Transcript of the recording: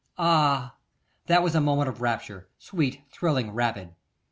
Ah, that was a moment of rapture, sweet, thrilling, rapid!